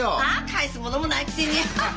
返すものもないくせに。